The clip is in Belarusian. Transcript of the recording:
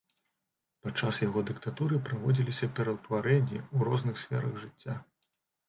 Падчас яго дыктатуры праводзіліся пераўтварэнні ў розных сферах жыцця.